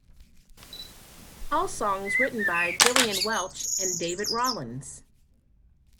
All songs written by Gillian Welch and David Rawlings.